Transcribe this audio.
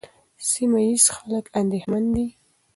سیمه ییز خلک اندېښمن دي.